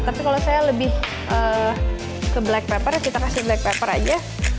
tapi kalau saya lebih ke black pepper kita kasih black pepper aja